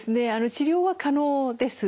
治療は可能です。